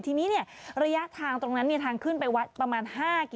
ที่นี้ระยะทางตรงนั้นทางขึ้นไปวัดประมาณ๕กิโลเมตรอ่ะพี่